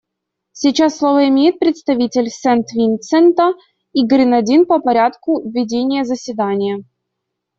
Сейчас слово имеет представитель Сент-Винсента и Гренадин по порядку ведения заседания.